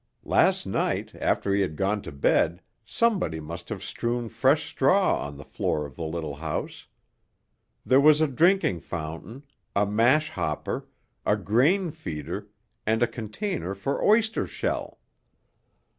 Last night after he had gone to bed somebody must have strewn fresh straw on the floor of the little house. There was a drinking fountain, a mash hopper, a grain feeder and a container for oyster shell.